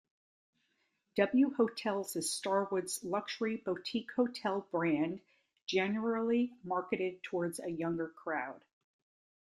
W Hotels is Starwood's luxury boutique hotel brand, generally marketed towards a younger crowd.